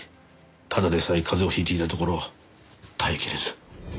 ただでさえ風邪をひいていたところ耐えきれず。